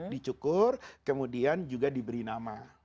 dicukur kemudian juga diberi nama